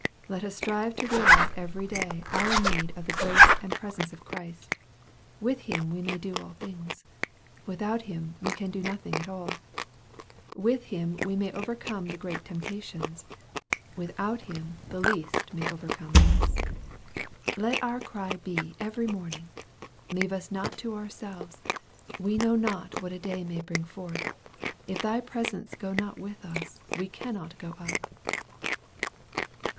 Let us strive to realize every day oui need of the grace and presence of Christ. With Him we may do all things. Without Him we can do nothing at all. With Him we may overcome the greatest temp tations. Without Him the least may overcome us. Let our cry be every morning, " leave us not to ourselves we know not what a day may bring forth if thy pre >ence go not with us we cannot go up."